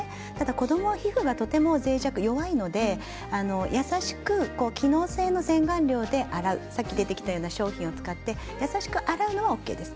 子どもの皮膚はとてもぜい弱、弱いので優しく機能性の洗顔料で洗う、さっき出てきたような商品を使って優しく洗うのはＯＫです。